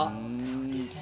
そうですね。